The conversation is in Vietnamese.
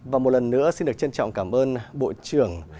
và một lần nữa xin được trân trọng cảm ơn bộ trưởng